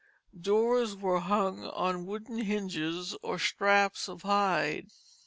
Doors were hung on wooden hinges or straps of hide.